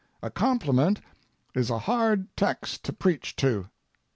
A compliment is a hard text to preach to.